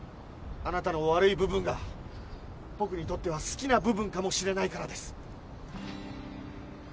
あなたの悪い部分が僕にとっては好きな部分かもしれないからです。